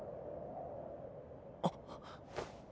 あっ。